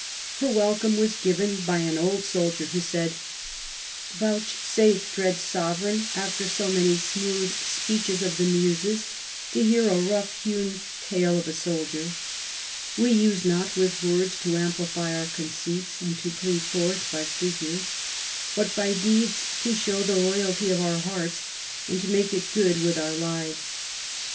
Her welcome was given by an old soldier, who said: Vouchsafe, dread Sovereign, after so many smooth speeches of the Muses, to hear a rough hewn tale of a soldier. We use not with words to amplify our conceits, and to plead forth by figures, but by deeds to show the loyalty of our hearts, and to make it good with our lives.